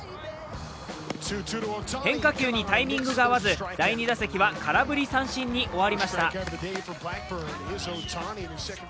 変化球にタイミングが合わず第２打席は空振り三振に終わりました。